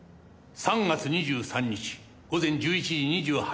３月２３日午前１１時２８分。